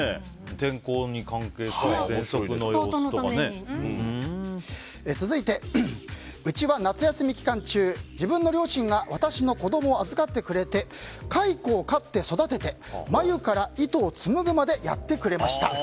天候に関係する続いて、うちは夏休み期間中自分の両親が私の子供を預かってくれてカイコを飼って育てて繭から糸をつむぐまでやってくれました。